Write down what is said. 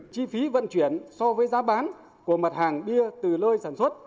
chi phí vận chuyển so với giá bán của mặt hàng bia từ lơi sản xuất